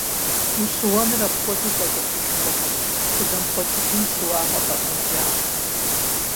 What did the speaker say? Ущыуэныр апхуэдэу бэлыхьышхуэкъым, пхузэмыхъуэкӀыжын щыуагъэ пӀэщӀэмыкӀамэ.